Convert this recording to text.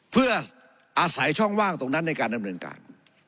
เพื่ออาศัยช่องว่างตรงนั้นในการดำเนินการ